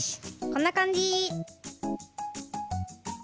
こんなかんじ。